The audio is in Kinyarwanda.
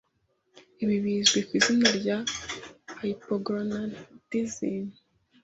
Ibi bizwi ku izina rya hypogonadism,